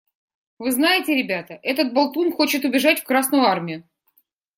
Вы знаете, ребята, этот болтун хочет убежать в Красную Армию!